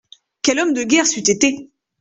Quel homme de guerre c'eût été !